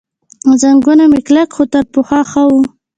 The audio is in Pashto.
زنګون مې کلک، خو تر پخوا ښه و.